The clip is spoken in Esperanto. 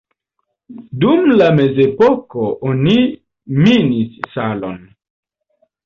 Dum la mezepoko oni minis salon.